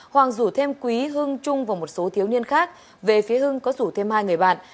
hoàng rủ thêm quý hưng trung và một số thiếu niên khác về phía hưng có rủ thêm hai người bạn